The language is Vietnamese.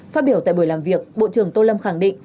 phát biểu tại buổi làm việc bộ trưởng tô lâm khẳng định